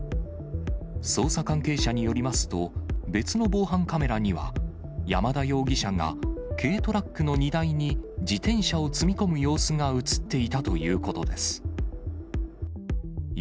捜査関係者によりますと、別の防犯カメラには山田容疑者が軽トラックの荷台に自転車を積み込む様子が写っていたということです。